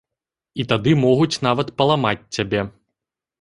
І тады могуць нават паламаць цябе.